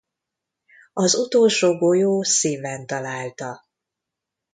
Az utolsó golyó szíven találta.